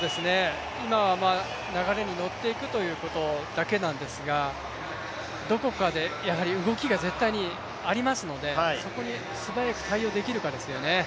今は流れに乗っていくということだけなんですが、どこかで動きが絶対にありますのでそこに素早く対応できるかですよね。